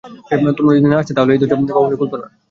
তোমরা যদি না আসতে, তাহলে এই দরজা কখনোই খুলতো না।